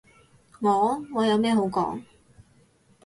我？我有咩好講？